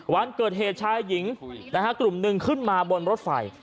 วันเกิดเหตุชายหญิงนะฮะกลุ่มหนึ่งขึ้นมาบนรถไฟ